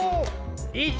１。